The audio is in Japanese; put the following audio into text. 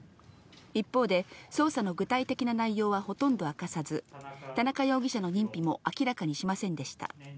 一方で、捜査の具体的な内容はほとんど明かさず、田中容疑者の認否も明らかにしませんでした。